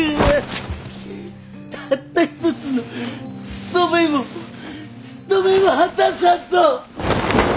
たった一つのつとめもつとめも果たさんと！